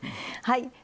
はい。